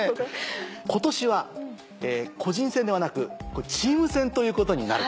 今年は個人戦ではなくチーム戦ということになる。